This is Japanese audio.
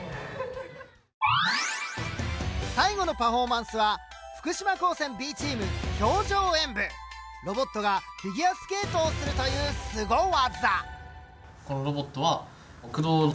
最後のパフォーマンスはロボットがフィギュアスケートをするというすご技。